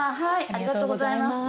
ありがとうございます。